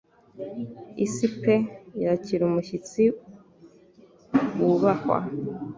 Isi pe yakira umushyitsi wubahwa: